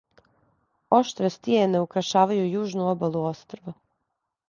Оштре стијене украшавају јужну обалу острва.